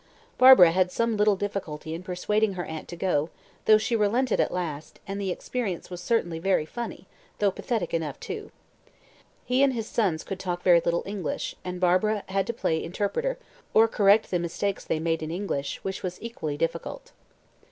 Barbara had some little difficulty in persuading her aunt to go, though she relented at last, and the experience was certainly very funny, though pathetic enough too. He and his sons could talk very little English, and again Barbara had to play interpreter, or correct the mistakes they made in English, which was equally difficult.